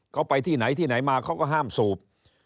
เขาไปที่ไหนที่ไหนมาเขาก็ห้ามสูบ